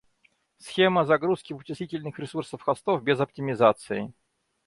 Схема загрузки вычислительных ресурсов хостов без оптимизации